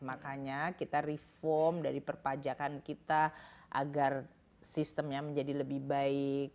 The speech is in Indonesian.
makanya kita reform dari perpajakan kita agar sistemnya menjadi lebih baik